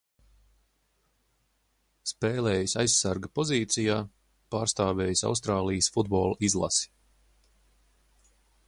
Spēlējis aizsarga pozīcijā, pārstāvējis Austrālijas futbola izlasi.